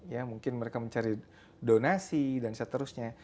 ya mungkin mereka mencari donasi dan seterusnya